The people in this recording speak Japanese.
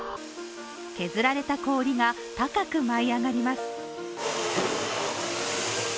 削られた氷が高く舞い上がります。